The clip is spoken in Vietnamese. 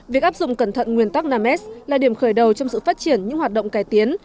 việc áp dụng cẩn thận nguyên tắc năm s là điểm khởi đầu trong sự phát triển những hoạt động cải tiến